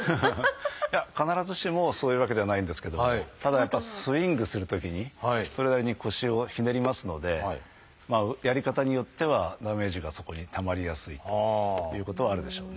いや必ずしもそういうわけではないんですけどもただやっぱスイングするときにそれなりに腰をひねりますのでやり方によってはダメージがそこにたまりやすいということはあるでしょうね。